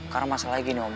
karena masalahnya gini om